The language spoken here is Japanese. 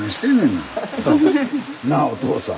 なあおとうさん。